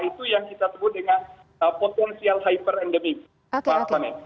itu yang kita temukan dengan potensial hiperendemi